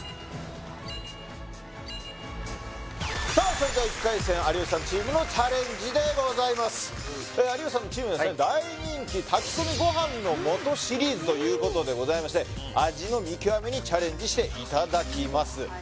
それでは第１回戦有吉さんチームのチャレンジでございます有吉さんのチームにはですね大人気炊き込みごはんの素シリーズということでございまして味の見極めにチャレンジしていただきます